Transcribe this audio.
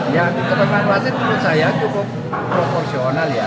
ya itu pemanfaatnya menurut saya cukup proporsional ya